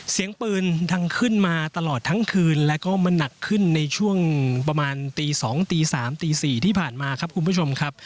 เสียงปืนดังขึ้นมาตลอดทั้งคืนแล้วก็มันหนักขึ้นในช่วงประมาณตี๒ตี๓ตี๔ที่ผ่านมาครับคุณผู้ชมครับ